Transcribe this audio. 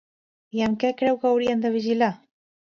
I amb què creu que haurien de vigilar?